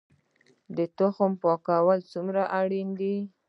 د تخم پاکول څومره اړین دي؟